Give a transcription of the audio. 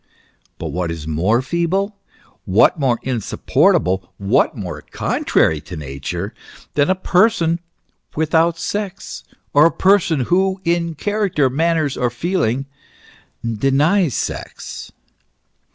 But what is more feeble, what more insupportable, what more contrary to Nature than a person without sex, or a person, who in character, manners, or feelings, denies sex